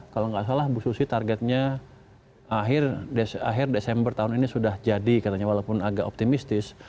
kalau nggak salah bu susi targetnya akhir desember tahun ini sudah jadi katanya walaupun agak optimistis